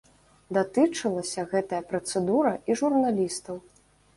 Датычылася гэтая працэдура і журналістаў.